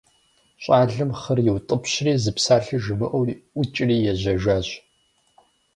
Щӏалэм хъыр иутӏыпщри, зы псалъэ жимыӏэу, ӏукӏри ежьэжащ.